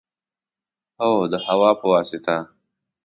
هو، د هوا په واسطه